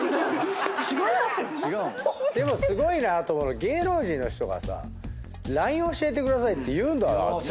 でもすごいなと思うの芸能人の人がさＬＩＮＥ教えてくださいって言うんだな。